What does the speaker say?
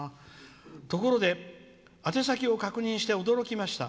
「ところで宛先を確認して驚きました。